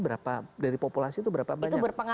berapa dari populasi itu berapa banyak itu berapa banyak